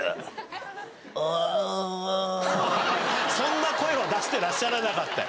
そんな声は出してらっしゃらなかったよ。